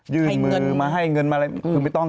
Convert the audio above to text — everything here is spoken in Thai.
ยื่นมือมาให้เงินมาอะไรคือไม่ต้อง